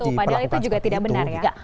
oh padahal itu juga tidak benar ya